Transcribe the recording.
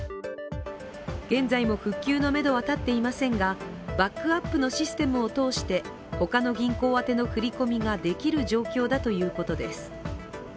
現在も復旧のめどは立っていませんがバックアップのシステムを通して他の銀行宛ての振り込みができる状況だということです。